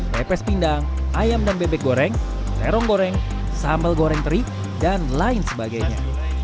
pepes pindang ayam dan bebek goreng terong goreng sambal goreng teri dan lain sebagainya